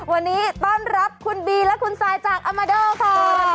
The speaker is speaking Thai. วันนี้ต้อนรับคุณบีและคุณซายจากอามาโดค่ะ